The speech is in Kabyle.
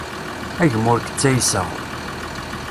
A gma ur k-ttayseɣ.